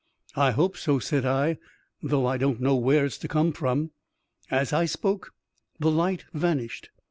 I hope so,*' said I ;" though I don't know where it's to come from." As I spoke, the light vanished.